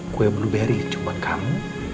kue blueberry cuma kamu